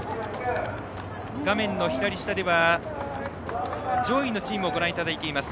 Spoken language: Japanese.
画面の左下では上位のチームをご覧いただいています。